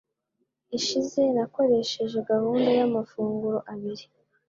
ishize nakoresheje gahunda y’amafunguro abiri.